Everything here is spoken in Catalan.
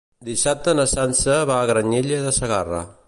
Dissabte na Sança va a Granyena de Segarra.